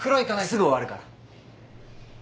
すぐ終わるから。